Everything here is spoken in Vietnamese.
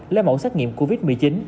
lấy mẫu xác nghiệm covid một mươi chín